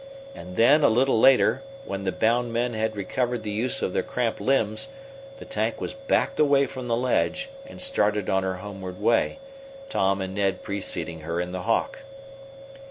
And then, a little later, when the bound men had recovered the use of their cramped limbs, the tank was backed away from the ledge and started on her homeward way, Tom and Ned preceding her in the Hawk.